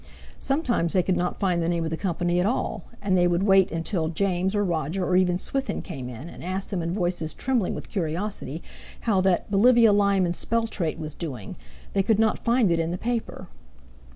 Sometimes they could not find the name of the company at all; and they would wait until James or Roger or even Swithin came in, and ask them in voices trembling with curiosity how that "Bolivia Lime and Speltrate" was doing—they could not find it in the paper.